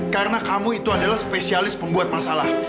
karena kamu itu adalah spesialis pembuat masalah